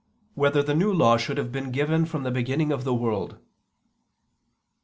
3] Whether the New Law Should Have Been Given from the Beginning of the World?